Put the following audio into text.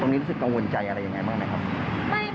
รู้สึกกังวลใจอะไรยังไงบ้างไหมครับ